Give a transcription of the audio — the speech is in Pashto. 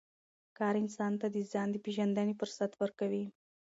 کار انسان ته د ځان د پېژندنې فرصت ورکوي